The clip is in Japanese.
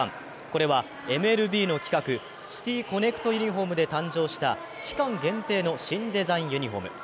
これはＭＬＢの企画シティー・コネクト・ユニフォームで誕生した期間限定の新デザインユニフォーム。